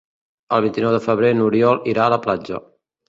El vint-i-nou de febrer n'Oriol irà a la platja.